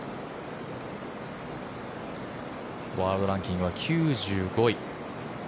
ワールドランキングは９５位。